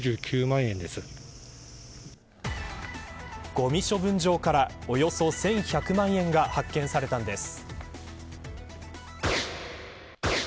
ごみ処分場からおよそ１１００万円が発見されたんです。